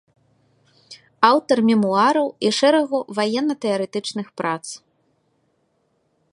Аўтар мемуараў і шэрагу ваенна-тэарэтычных прац.